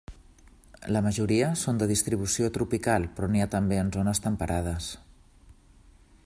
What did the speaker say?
La majoria són de distribució tropical però n'hi ha també en zones temperades.